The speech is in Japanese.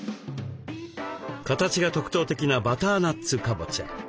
形が特徴的なバターナッツカボチャ。